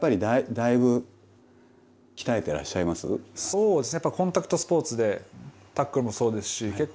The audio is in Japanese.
そうですね。